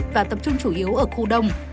và tập trung chủ yếu ở khu đông